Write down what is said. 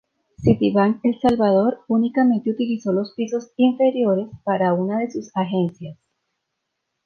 Citibank El Salvador únicamente utilizó los pisos inferiores para una de sus agencias.